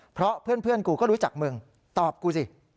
เพราะเพื่อนกูก็รู้จักมึงตอบกูสิ